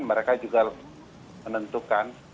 mereka juga menentukan